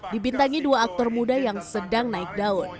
dibintangi dua aktor muda yang sedang naik daun